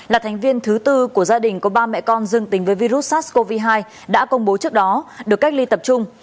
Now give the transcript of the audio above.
là thành viên thứ tư của gia đình có ba mẹ con dương tính với virus sars cov hai đã công bố trước đó được cách ly tập trung